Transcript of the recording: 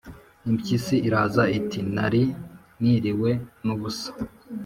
impyisi iraza, iti: "nari niriwe n' ubusa,